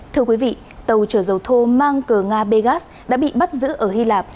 thưa quý vị tàu chở dầu thô mang cờ nga begas đã bị bắt giữ ở hy lạp